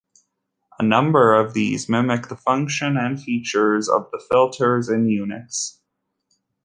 A number of these mimic the function and features of the filters in Unix.